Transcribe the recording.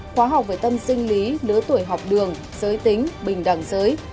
khóa học về tâm sinh lý lứa tuổi học đường giới tính bình đẳng giới